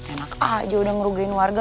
enak aja udah ngerugain warga